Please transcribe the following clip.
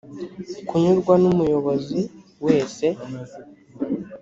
kunyurwa n umuyobozi wese